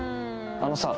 あのさ。